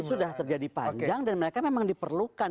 sudah terjadi panjang dan mereka memang diperlukan